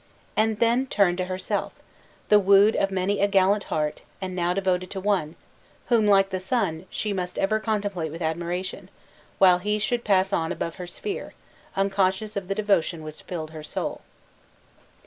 And then turned to herself the wooed of many a gallant heart, and now devoted to one, whom, like the sun, she must ever contemplate with admiration, while he should pass on above her sphere, unconscious of the devotion which filled her soul.